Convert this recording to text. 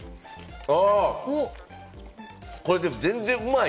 これ全然うまい！